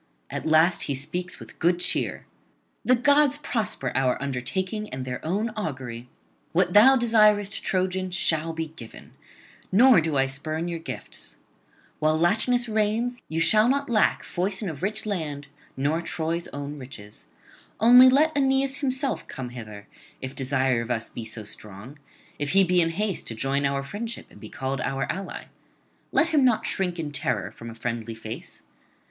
At last he speaks with good cheer: 'The gods prosper our undertaking and their own augury! What thou desirest, Trojan, shall be given; nor do I spurn your gifts. While Latinus reigns you shall not [262 294]lack foison of rich land nor Troy's own riches. Only let Aeneas himself come hither, if desire of us be so strong, if he be in haste to join our friendship and be called our ally. Let him not shrink in terror from a friendly face.